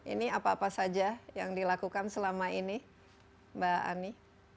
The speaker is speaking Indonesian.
ini apa apa saja yang dilakukan selama ini mbak ani